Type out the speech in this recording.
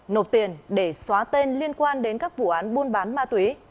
nộp tiền để xóa tên liên quan đến các vụ án buôn bán ma túy